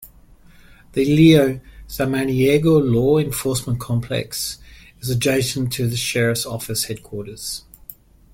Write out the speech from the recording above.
The Leo Samaniego Law Enforcement Complex is adjacent to the sheriff's office headquarters.